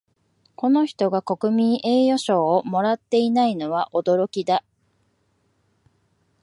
この人が国民栄誉賞をもらっていないのは驚きだ